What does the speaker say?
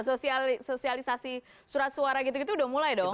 sosialisasi surat suara gitu gitu udah mulai dong